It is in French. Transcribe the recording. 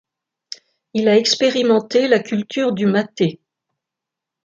Il a expérimenté la culture du maté.